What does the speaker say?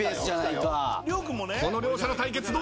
この両者の対決どうだ？